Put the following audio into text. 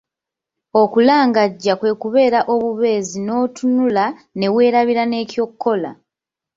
Okulangajja kwe kubeera obubeezi n'okutunula ne weerabira ne ky'okola.